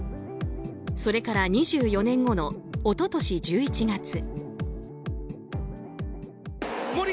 それから２４年後の一昨年１１月。